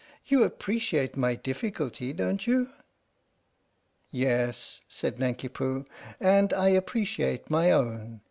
You appreciate my difficulty, don't you?" "Yes," said Nanki Poo, "and I appreciate my own.